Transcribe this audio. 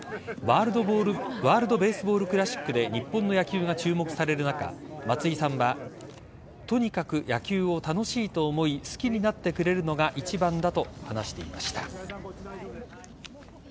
ワールド・ベースボール・クラシックで日本の野球が注目される中松井さんはとにかく野球を楽しいと思い好きになってくれるのが一番だと話していました。